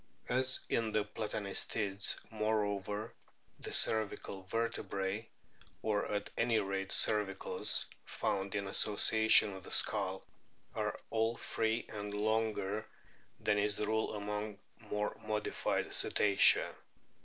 As in the Platanistids, moreover, the cervical vertebrae, or at any rate cervicals found in association with the skull, are all free, and longer than is the rule among more modified Cetacea.